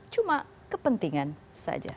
cuma kepentingan saja